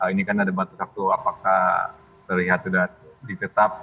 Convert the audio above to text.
ini kan ada batu batu apakah terlihat sudah ditetap